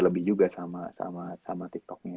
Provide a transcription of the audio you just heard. lebih juga sama tiktoknya